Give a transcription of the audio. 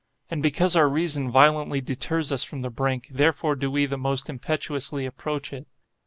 And because our reason violently deters us from the brink, therefore do we the most impetuously approach it.